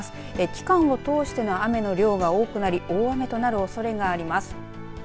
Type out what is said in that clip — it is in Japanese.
期間を通しての雨の量が多くなり大雨となるおそれがあります。